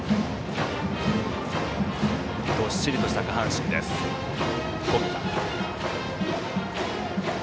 どっしりとした下半身です冨田。